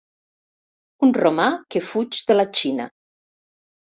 Un romà que fuig de la Xina.